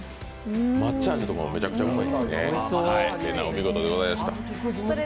抹茶味とかもめちゃくちゃうまい。